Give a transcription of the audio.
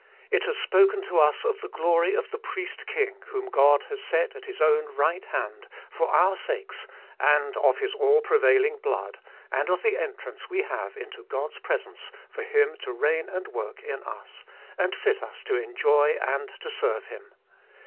It has spoken to us of the glory of the Priest King whom God has set at His own right hand, for our sakes, and of His all prevailing blood, and of the entrance we have into God's presence for Him to reign and work in us, and fit us to enjoy and to serve Him.